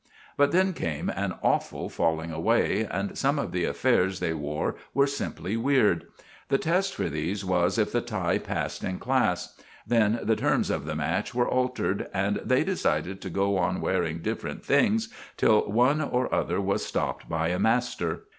But then came an awful falling away, and some of the affairs they wore were simply weird. The test for these was if the tie passed in class. Then the terms of the match were altered, and they decided to go on wearing different things till one or other was stopped by a master.